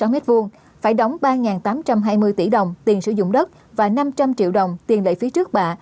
sáu bốn trăm bốn mươi sáu m hai phải đóng ba tám trăm hai mươi tỷ đồng tiền sử dụng đất và năm trăm linh triệu đồng tiền lệ phí trước bạ